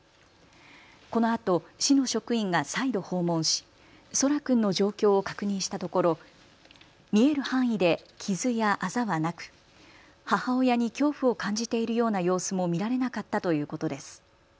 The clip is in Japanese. このあと市の職員が再度訪問し、奏良君の状況を確認したところ見える範囲で傷やあざはなく母親に恐怖を感じているような様子も見られなかったということです。